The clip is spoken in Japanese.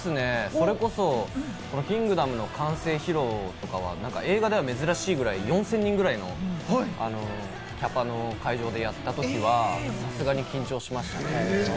それこそ、『キングダム』の完成披露とかは映画では珍しいぐらい、４０００人ぐらいのキャパの会場でやったときは、さすがに緊張しました。